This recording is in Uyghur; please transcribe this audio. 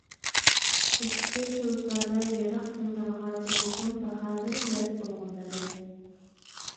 كېتىشتى تۇلپاردا يىراق يوللارغا جەنۇبنىڭ باھادىر مەرد ئوغۇللىرى.